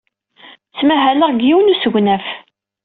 Ttmahaleɣ deg yiwen n usegnaf.